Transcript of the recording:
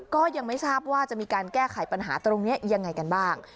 ก็ยังไม่ทราบว่าจะมีการแก้ไขปัญหาตรงนี้ยังไงกันบ้าง